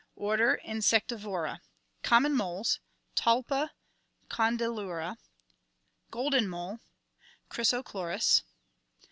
Order Insectivora. Common moles (Talpa, Condylura). Golden mole (Chrysochloris).